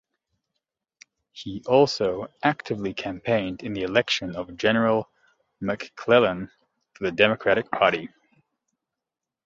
He also actively campaigned in the election of General McClellan for the Democratic Party.